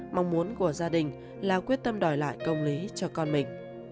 mong muốn của gia đình là quyết tâm đòi lại công lý cho con mình